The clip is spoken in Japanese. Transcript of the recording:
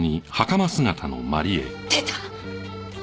出た！